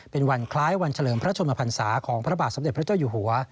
เป็นวันคล้ายวันเฉลิมพระชนมพันศาของพระบาทสมเด็จพระเจ้าอยู่หัว